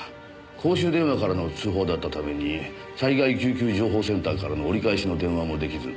公衆電話からの通報だったために災害救急情報センターからの折り返しの電話も出来ず。